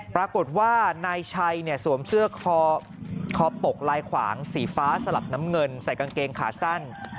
ปรากฏว่านายชัยสวมเสื้อคอปกลายขวางสีฟ้าสลับน้ำเงินใส่กางเกงขาสั้น